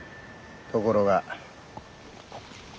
ところが。